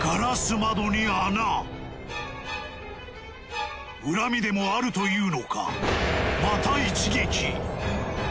窓に穴恨みでもあるというのかまた一撃